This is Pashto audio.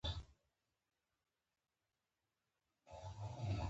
رومیان له مستو سره چټني جوړوي